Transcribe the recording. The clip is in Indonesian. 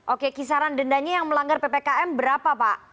oke kisaran dendanya yang melanggar ppkm berapa pak